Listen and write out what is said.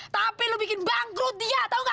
tapi lo bikin bangkrut dia tau gak